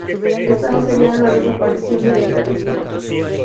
Esta no sería la desaparición del guitarrista.